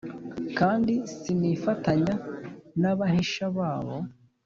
Kandi sinifatanya n’ abahisha babo